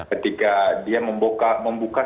ketika dia membuka sedikit